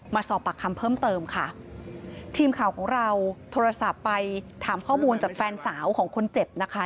มาสอบปากคำเพิ่มเติมค่ะทีมข่าวของเราโทรศัพท์ไปถามข้อมูลจากแฟนสาวของคนเจ็บนะคะ